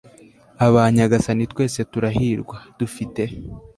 aba nyagasani twese turahirwa, dufite